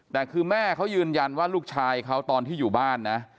แต่คือแม่เขายืนยันว่าลูกชายเขาตอนที่อยู่บ้านนะ